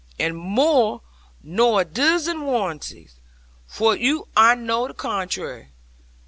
And more nor a dizzen warranties; fro'ut I know to contrairy.